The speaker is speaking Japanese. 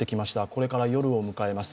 これから夜を迎えます。